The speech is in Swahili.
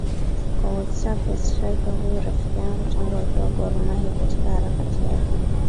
kwa whatsapp na straika huyo rafiki yangu tangu akiwa Gor MahiaKatika harakati za